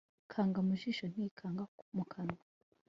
kanga mu jisho ntikanga mu kanwa